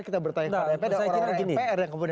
kita bertanya kepada mpr